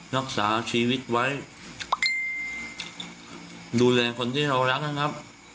รักษาชีวิตไว้ดูแลคนที่เรารักนะครับ